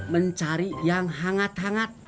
mencari yang hangat hangat